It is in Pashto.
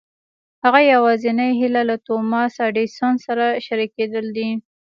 د هغه يوازېنۍ هيله له توماس اې ايډېسن سره شريکېدل دي.